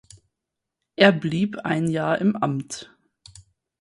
Er blieb ein Jahr im Amt.